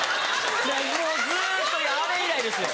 いやもうずっとあれ以来ですよ。